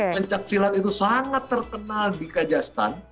pencaksilat itu sangat terkenal di kajastan